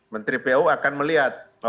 menteri pu akan melihat